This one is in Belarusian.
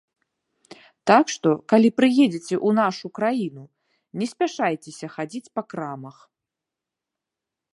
Так што, калі прыедзеце ў нашу краіну, не спяшаецеся хадзіць па крамах.